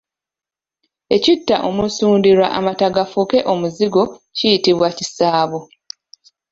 Ekita omusundirwa amata gafuuke Omuzigo kiyitibwa kisaabo.